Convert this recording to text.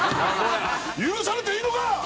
許されていいのか！